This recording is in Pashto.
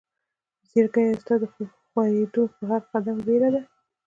زړګيه ستا د خوئيدو په هر قدم وئيره ده